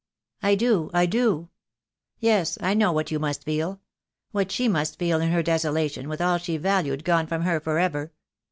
"I do — I do! Yes, I know what you must feel — what she must feel in her desolation, with all she valued gone from her for ever.